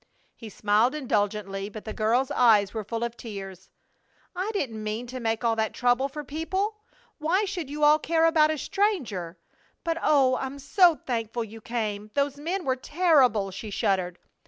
He smiled indulgently, but the girl's eyes were full of tears. "I didn't mean to make all that trouble for people. Why should you all care about a stranger? But, oh! I'm so thankful you came! Those men were terrible!" She shuddered.